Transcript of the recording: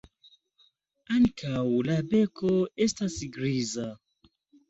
Ankaŭ la beko estas griza.